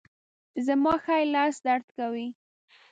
زما ښي لاس درد کوي